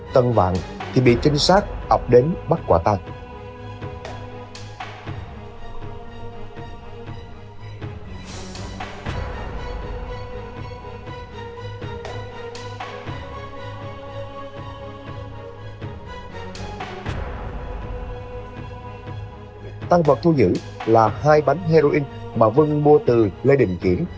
tăng vật thu nhữ là hai bánh heroin mà vân mua từ lê đình kiển